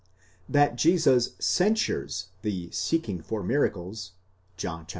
That Jesus censures the seeking for miracles (John iv.